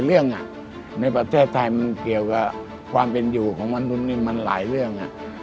เรื่องในประเทศไทยมันเกี่ยวกับความเป็นอยู่ของมนุษย์นี่มันหลายเรื่อง